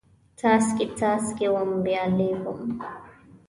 څاڅکي، څاڅکي وم، ویالې وم